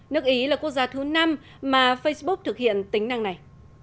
nước ý là quốc gia thứ năm mà facebook thực hiện tính năng này